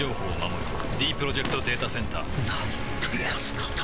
ディープロジェクト・データセンターなんてやつなんだ